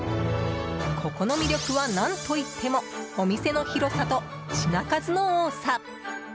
ここの魅力は、何といってもお店の広さと品数の多さ。